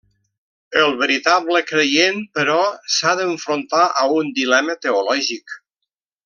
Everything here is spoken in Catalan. El veritable creient, però, s'ha d'enfrontar a un dilema teològic.